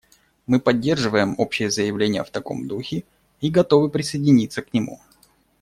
Мы поддерживаем общее заявление в таком духе и готовы присоединиться к нему.